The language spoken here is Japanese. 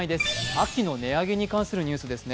秋の値上げに関するニュースです。